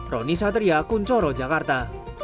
roni satria kuncoro jakarta